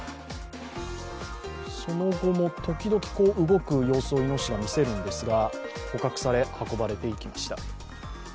その後も、時々動く様子をいのししが見せるんですが、捕獲され、運ばれていきました。